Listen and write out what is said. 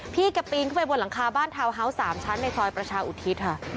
พี่ก็ปีนไปบนหลังคาบ้านเท้าห้าวสามชั้นในซอยประชาอุทิศค่ะ